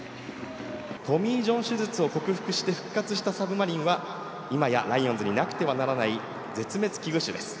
トミージョン手術を克服して、復活したサブマリンは、今やライオンズになくてはならない絶滅危惧種です。